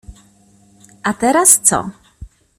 A teraz co?